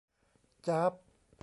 จ๊าบ !